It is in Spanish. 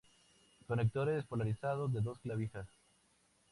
Conectores polarizados de dos clavijas.